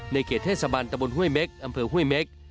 เขตเทศบันตะบนห้วยเม็กอำเภอห้วยเม็ก